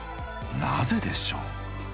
なぜでしょう？